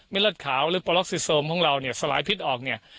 เลือดขาวหรือปอล็กซิโซมของเราเนี่ยสลายพิษออกเนี่ย